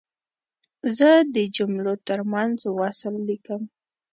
زه د جملو ترمنځ وصل لیکم.